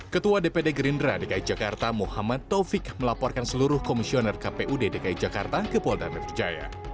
ketua dpd gerindra dki jakarta muhammad taufik melaporkan seluruh komisioner kpu dki jakarta ke polda metro jaya